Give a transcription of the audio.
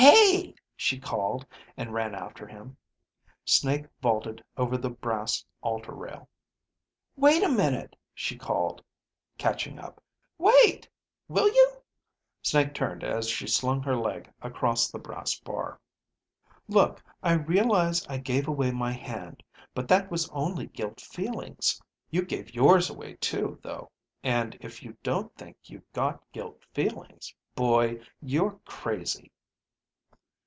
"Hey!" she called and ran after him. Snake vaulted over the brass altar rail. "Wait a minute," she called, catching up. "Wait, will you!" Snake turned as she slung her leg across the brass bar. "Look, I realize I gave away my hand. But that was only guilt feelings. You gave yours away too, though. And if you don't think you've got guilt feelings, boy, you're crazy."